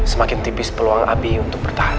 semakin tipis peluang abi untuk bertahan